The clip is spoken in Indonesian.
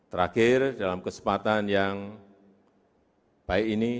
terakhir dalam kesempatan yang baik ini